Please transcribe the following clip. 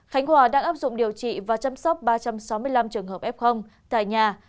khánh hòa đang áp dụng điều trị và chăm sóc ba trăm sáu mươi năm trường hợp f tại nhà